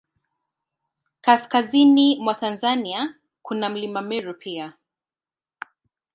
Kaskazini mwa Tanzania, kuna Mlima Meru pia.